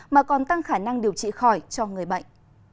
mà còn tăng khả năng điều trị khỏi cho người bệnh